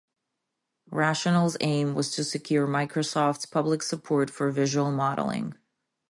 Rational's aim was to secure Microsoft's public support for visual modeling.